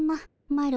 マロ